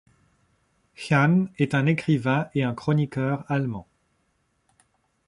Hyun est un écrivain et un chroniqueur allemand.